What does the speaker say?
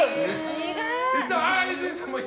苦い！